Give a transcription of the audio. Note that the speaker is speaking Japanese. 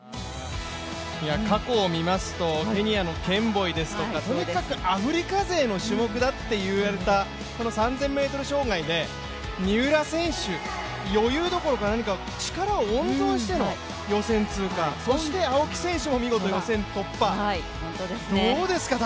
過去を見ますと、ケニアの選手ですとか、とにかくアフリカ勢の種目だといわれた３０００ｍ障害で三浦選手、余裕どころか何か力を温存しての予選通過、そして青木選手も見事予選突破、どうですか？